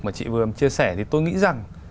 mà chị vừa chia sẻ thì tôi nghĩ rằng